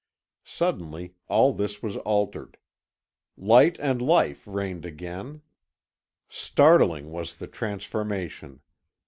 Suddenly all this was altered. Light and life reigned again. Startling was the transformation.